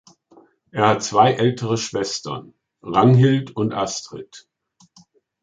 Er hat zwei ältere Schwestern, Ragnhild und Astrid.